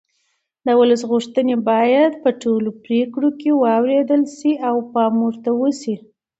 د ولس غوښتنې باید په ټولو پرېکړو کې اورېدل شي او پام ورته وشي